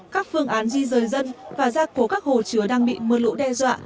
các phương án di rời dân và gia cố các hồ chứa đang bị mưa lũ đe dọa